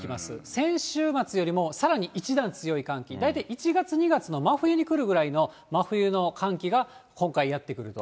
先週末よりもさらに一段強い寒気、大体１月、２月の真冬に来るぐらいの真冬の寒気が今回やって来ると。